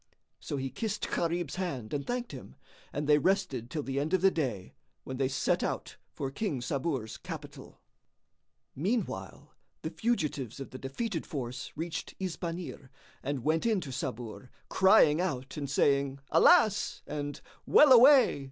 So he kissed Gharib's hand and thanked him, and they rested till the end of the day, when they set out for King Sabur's capital. Meanwhile, the fugitives of the defeated force reached Isbanir and went in to Sabur, crying out and saying, "Alas!" and "Well away!"